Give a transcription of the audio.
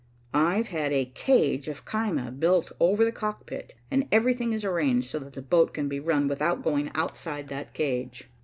I've had a cage of caema built over the cockpit, and everything is arranged so that the boat can be run without going outside that cage."